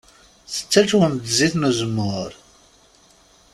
Tettaǧwem-d zzit n uzemmur?